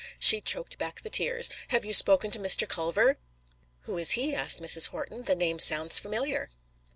She choked back the tears. "Have you spoken to Mr. Culver?" "Who is he?" asked Mrs. Horton. "The name sounds familiar."